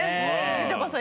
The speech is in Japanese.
みちょぱさん。